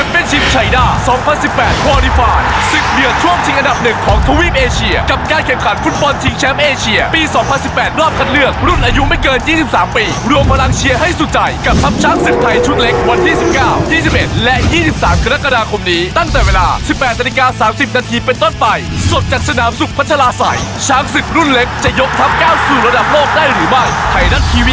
โปรดติดตามตอนต่อไป